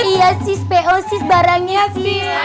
iya sis pehosis barangnya sih